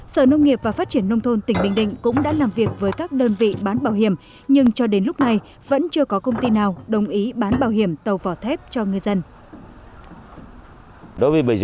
sở nông nghiệp và phát triển nông thôn tỉnh bình định cũng đã làm việc với các đơn vị bán bảo hiểm nhưng cho đến lúc này vẫn chưa có công ty nào đồng ý bán bảo hiểm tàu vỏ thép cho ngư dân